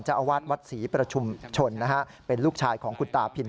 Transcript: เจ้าอาวาสวัดศรีประชุมชนนะฮะเป็นลูกชายของคุณตาพิน